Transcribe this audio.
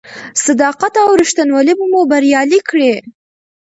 صداقت او رښتینولي به مو بریالي کړي.